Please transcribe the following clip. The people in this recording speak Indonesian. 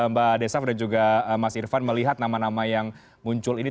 mbak desaf dan juga mas irvan melihat nama nama yang muncul ini